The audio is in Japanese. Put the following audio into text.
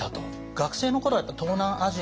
学生の頃はやっぱ東南アジア。